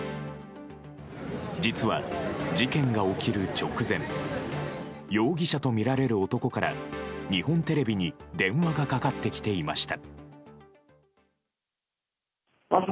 実は、事件が起きる直前容疑者とみられる男から日本テレビに電話がかかってきていました。